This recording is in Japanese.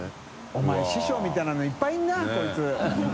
師匠みたいなのいっぱいいるなこいつ。